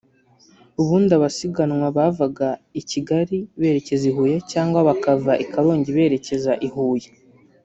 ubundi abasiganwa bavaga i Kigali berekeza i Huye cyagwa bakava i Karongi berekeza i Huye